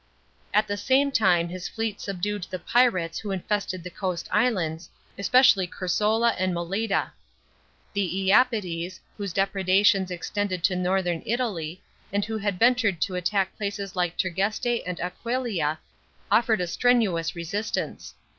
At the same time his fleet subdued the pirates \\ho infested the coast islands, especially Ctirzola and Meleda. The lapydes, whose depredations extended to northern Italy, and who had ventured to attack places like Teriieste and Aquileia, off red a strenuous resistance.